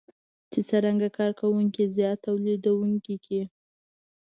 چې څرنګه کار کوونکي زیات توليدونکي کړي.